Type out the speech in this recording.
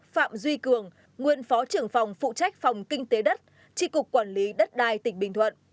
sáu phạm duy cường nguyên phó trưởng phòng phụ trách phòng kinh tế đất tri cục quản lý đất đai tỉnh bình thuận